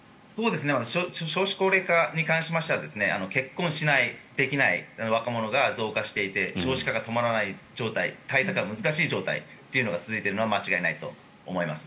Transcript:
少子高齢化に関しては結婚しない、できない若者が増加していて少子化が止まらない状態対策が難しい状態が続いているのは間違いないと思います。